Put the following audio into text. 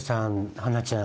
英ちゃん